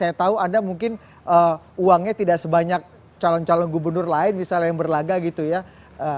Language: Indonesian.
anda berkampanye anda mungkin uangnya tidak sebanyak calon calon gubernur lain misalnya yang berkampanye